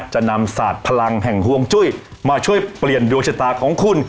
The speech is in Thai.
จะนำศาสตร์พลังแห่งฮวงจุ้ยมาช่วยเปลี่ยนดวงชะตาของคุณ